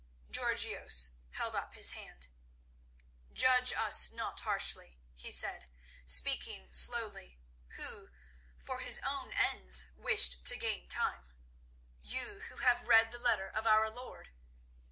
Georgios held up his hand. "Judge us not harshly," he said, speaking slowly, who, for his own ends wished to gain time, "you who have read the letter of our lord.